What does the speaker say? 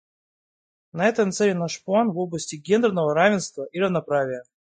На это нацелен наш план в области гендерного равенства и равноправия.